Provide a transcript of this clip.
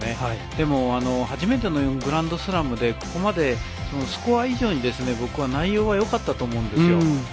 でも初めてのグランドスラムでここまでスコア以上に僕は内容はよかったと思うんですよ。